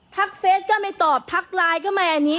เฟสก็ไม่ตอบทักไลน์ก็ไม่อันนี้